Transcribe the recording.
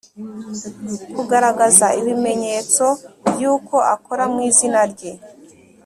kugaragaza ibimenyetso by uko akora mu izina ze